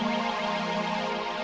sampai jumpa lagi